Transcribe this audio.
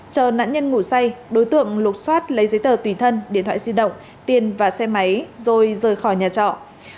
chờ nạn nhân ngủ say đối tượng lục xoát lấy giấy tờ tùy thân điện thoại di động tiền và xe máy rồi rời khỏi nhà trọ